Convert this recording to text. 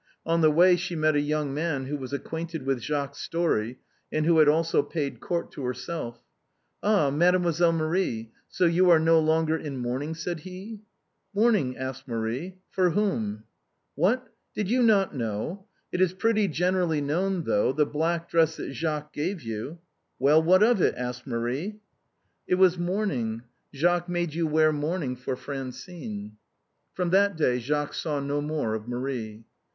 On the way she met a young man who was acquainted with Jacques's story, and who had also paid court to herself. 248 THE BOHEMIANS OF THE LATIN QUARTER. "Ah! Mademoiselle Marie, so you are no longer in mourning ?" said he. "In mourning?" said Marie. "For whom?" " What, did you not know ? It is pretty generally known, though, the black dress that Jacques gave you ." "Well, what of it?" asked Marie. It was mourning. Jacques made you wear mourning for Francine." From that day Jacques saw no more of Marie.